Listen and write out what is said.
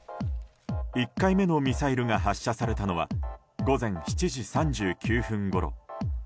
１回目のミサイルが発射されたのは午前７時３９分ごろ。